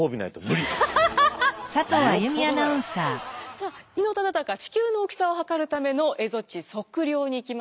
さあ伊能忠敬地球の大きさを測るための蝦夷地測量に行きました。